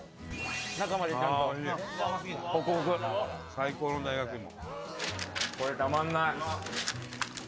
最高の大学芋。